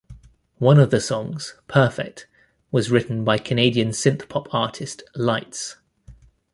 One of the songs, "Perfect," was written by Canadian synth pop artist Lights.